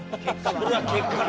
それは結果論な。